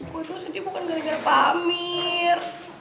gue sedih bukan gara gara pamir